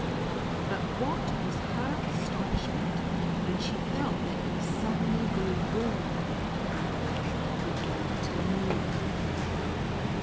But what was her astonishment, when she felt that he suddenly grew warm in her hand, and began to move!